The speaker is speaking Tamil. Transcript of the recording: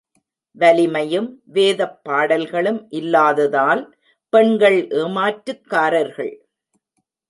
வலிமையும் வேதப் பாடல்களும் இல்லாததால் பெண்கள் ஏமாற்றுக்காரர்கள்.